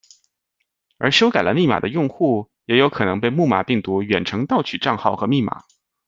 而修改了密码的用户，也有可能被木马病毒远程盗取账号和密码。